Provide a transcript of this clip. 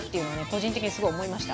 個人的にすごい思いました。